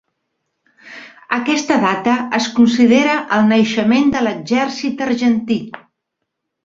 Aquesta data es considera el naixement de l'Exèrcit Argentí.